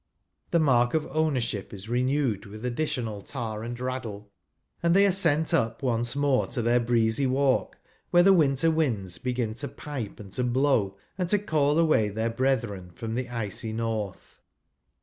The mark of * ownership is renewed with additional tar and raddle, and they are sent up once more to their breezy walk, where the winter winds begin to pipe and to blow, and to call away i their brethren from the icy North.